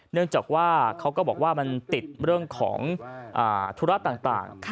เนื่องจากว่าเขาก็บอกว่ามันติดเรื่องของธุระต่าง